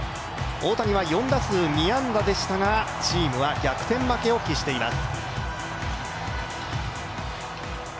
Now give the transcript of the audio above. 大谷は４打数２安打でしたがチームは逆転負けを喫しています。